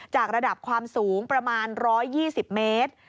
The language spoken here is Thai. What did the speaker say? จากระดับความสูงประมาณ๑๒๐เมตร